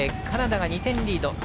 カナダが２点リード。